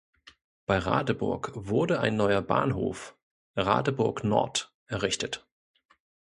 Bei Radeburg wurde ein neuer Bahnhof "Radeburg Nord" errichtet.